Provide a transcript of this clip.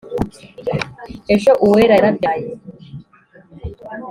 ejo uwera yarabyaye